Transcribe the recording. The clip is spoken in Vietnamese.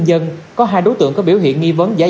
xin chào và hẹn gặp lại